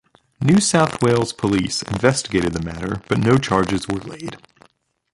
New South Wales Police investigated the matter but no charges were laid.